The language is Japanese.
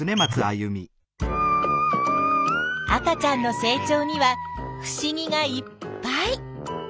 赤ちゃんの成長にはふしぎがいっぱい。